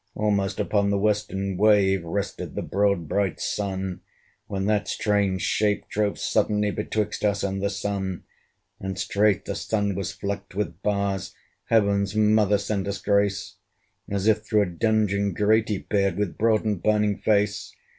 Almost upon the western wave Rested the broad bright Sun; When that strange shape drove suddenly Betwixt us and the Sun. And straight the Sun was flecked with bars, (Heaven's Mother send us grace!) As if through a dungeon grate he peered, With broad and burning face.